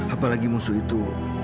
apalagi musuh itu